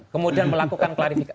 kemudian melakukan klarifikasi